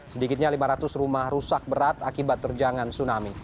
sedikitnya lima ratus rumah rusak berat akibat terjangan tsunami